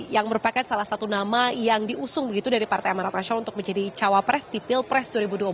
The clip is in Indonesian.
yang merupakan salah satu nama yang diusung begitu dari partai amarat nasional untuk menjadi cawapres di pilpres dua ribu dua puluh